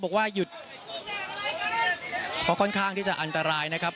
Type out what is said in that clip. บอกว่าหยุดเพราะค่อนข้างที่จะอันตรายนะครับ